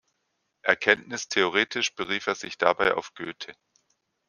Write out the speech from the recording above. Erkenntnistheoretisch berief er sich dabei auf Goethe.